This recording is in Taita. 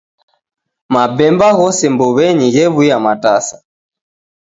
Mabemba ghose mbuw'enyi ghew'uya matasa.